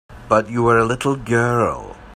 But you were a little girl.